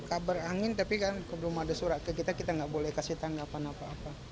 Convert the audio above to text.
kabar angin tapi kan belum ada surat ke kita kita nggak boleh kasih tanggapan apa apa